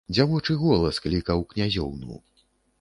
Дзявочы голас клікаў князёўну.